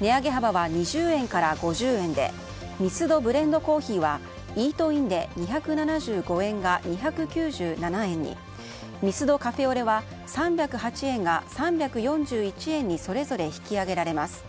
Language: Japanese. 値上げ幅は２０円から５０円でミスドブレンドコーヒーはイートインで２７５円が２９７円にミスドカフェオレは３０８円が３４１円にそれぞれ引き上げられます。